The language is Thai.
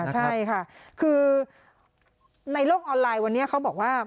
ใช่ค่ะคือในโลกออนไลน์วันนี้เขาบอกว่า